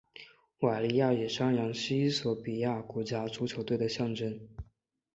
瓦利亚野山羊是衣索比亚国家足球队的象征。